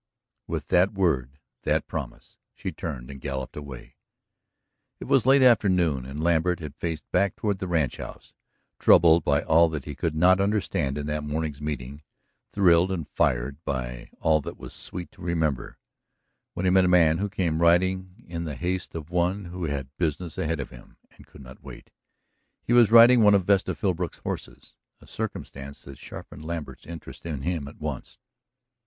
With that word, that promise, she turned and galloped away. It was late afternoon, and Lambert had faced back toward the ranchhouse, troubled by all that he could not understand in that morning's meeting, thrilled and fired by all that was sweet to remember, when he met a man who came riding in the haste of one who had business ahead of him that could not wait. He was riding one of Vesta Philbrook's horses, a circumstance that sharpened Lambert's interest in him at once.